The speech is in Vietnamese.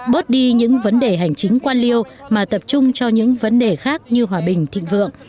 bớt đi những vấn đề hành chính quan liêu mà tập trung cho những vấn đề khác như hòa bình thịnh vượng